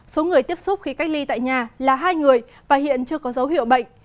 số người tiếp xúc khi cách ly tại nhà là hai người và hiện chưa có dấu hiệu bệnh